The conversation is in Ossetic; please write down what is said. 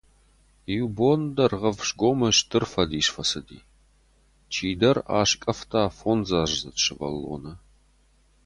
Иу бон Дӕргъӕвсгомы стыр фӕдис фӕцыди: чидӕр аскъӕфта фондзаздзыд сывӕллоны.